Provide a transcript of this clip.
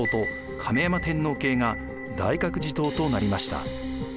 亀山天皇系が大覚寺統となりました。